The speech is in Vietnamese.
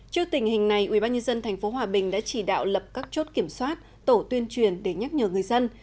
trước tình hình này ubnd tp hòa bình đã chỉ đạo lập các chốt kiểm soát tổ tuyên truyền để nhắc nhở người dân